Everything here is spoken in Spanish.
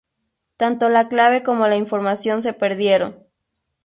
Tanto la clave como la información se perdieron.